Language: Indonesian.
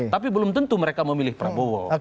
tapi belum tentu mereka memilih prabowo